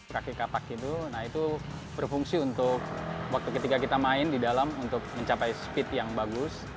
kaki kapak itu nah itu berfungsi untuk waktu ketika kita main di dalam untuk mencapai speed yang bagus